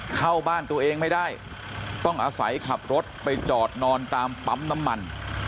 เข้าบ้านตัวเองไม่ได้ต้องอาศัยขับรถไปจอดนอนตามปั๊มน้ำมัน